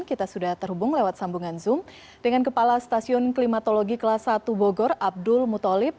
kita sudah terhubung lewat sambungan zoom dengan kepala stasiun klimatologi kelas satu bogor abdul mutolib